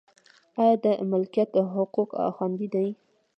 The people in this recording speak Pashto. آیا د ملکیت حقوق خوندي دي؟